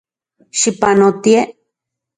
Xipanotie.